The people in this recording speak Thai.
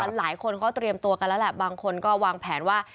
หลายคนเขาเตรียมตัวกันแล้วแหละบางคนก็วางแผนว่า